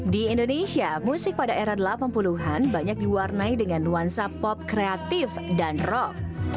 di indonesia musik pada era delapan puluh an banyak diwarnai dengan nuansa pop kreatif dan rock